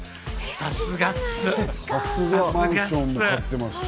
さすがっす！